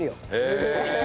へえ！